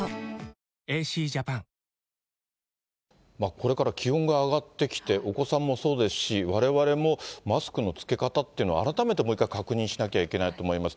これから気温が上がってきて、お子さんもそうですし、われわれもマスクのつけ方っていうのは、改めてもう一回確認しなきゃいけないと思います。